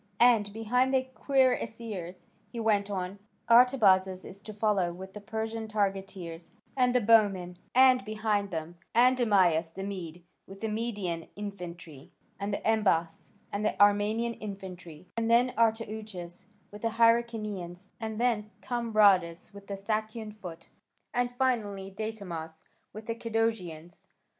And behind the cuirassiers," he went on, "Artabazas is to follow with the Persian targeteers and the bowmen, and behind them Andamyas the Mede with the Median infantry, and then Embas and the Armenian infantry, and then Artouchas with the Hyrcanians, and then Thambradas with the Sakian foot, and finally Datamas with the Cadousians.